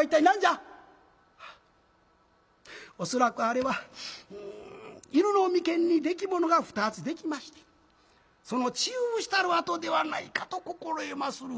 「恐らくあれは犬の眉間にできものが２つできましてその治癒したる痕ではないかと心得まする」。